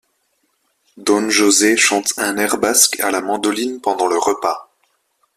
Don José chante un air basque à la mandoline pendant le repas.